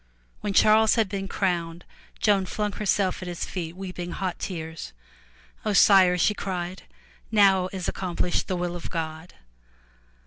When Charles had been crowned, Joan flung herself at his feet weeping hot tears. 0 Sire,'* she cried, "Now is accomplished the will of God!